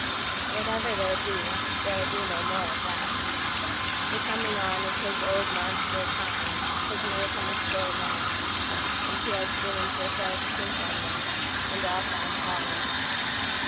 Whatever there be, there'll be no more of that; The coming on of his old monster TimeHas made him a still man; and he has dreamsWere fair to think on once, and all found hollow.